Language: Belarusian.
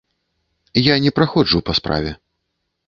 Я не праходжу па справе.